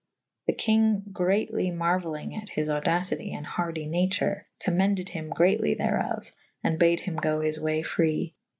The kynge greatly [C iv b] merueylynge at his audacitie and hardy nature / commended hym greatly thereof / and bad hym go his way free.